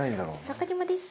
中島です。